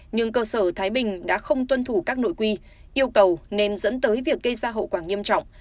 nhưng cơ sở thái bình đã không tuân thủ các nội quy yêu cầu nên dẫn tới việc gây ra hậu quả nghiêm trọng